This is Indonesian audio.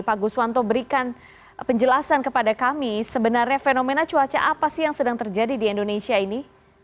pak guswanto berikan penjelasan kepada kami sebenarnya fenomena cuaca apa sih yang sedang terjadi di indonesia ini